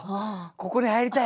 ここに入りたい。